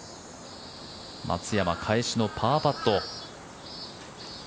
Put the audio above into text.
松山、返しのパーパット。